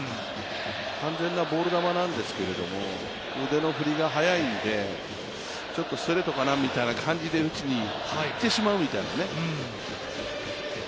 完全なボール球なんですけども、腕の振りが速いのでちょっとストレートかなみたいな感じで振ってしまうみたいな。